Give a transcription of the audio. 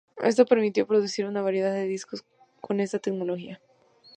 Esto permitió producir una variedad de discos con esta tecnología.